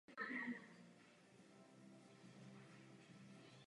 Do obce vedou autobusové linky z Českých Budějovic.